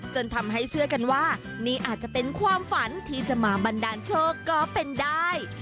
จนทำให้เชื่อกันว่านี่อาจจะเป็นความฝันที่จะมาบันดาลโชคก็เป็นได้